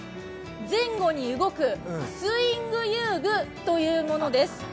前後に動くスイング遊具というものです。